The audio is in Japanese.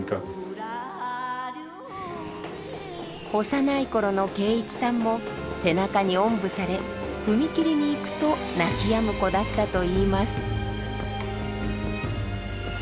幼い頃の桂一さんも背中におんぶされ踏切に行くと泣きやむ子だったといいます。